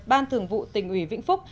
ban thường vụ tỉnh uỷ vĩnh phúc